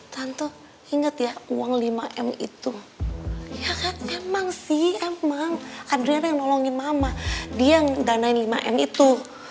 tante ingat ya uang lima m itu ya emang sih emang adrian yang nolongin mama dia yang danain lima m itu